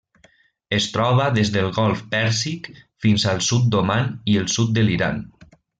Es troba des del Golf Pèrsic fins al sud d'Oman i el sud de l'Iran.